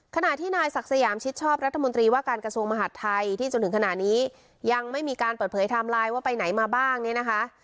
ขณะที่นายศักดิ์สยามชิดชอบรัฐมนตรีว่าการกระทรวงมหาดไทยที่จนถึงขณะนี้ยังไม่มีการเปิดเผยไทม์ไลน์ว่าไปไหนมาบ้างเนี่ยนะคะ